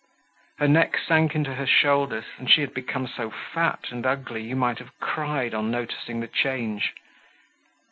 Her neck sank into her shoulders and she had become so fat and ugly you might have cried on noticing the change.